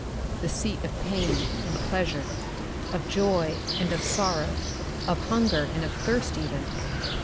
The seat of pain and pleasure, of joy and of sorrow, of hunger and of thirst even.